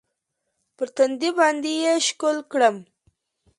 پر تندي باندې يې ښکل کړم.